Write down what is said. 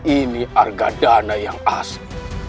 ini harga dana yang asli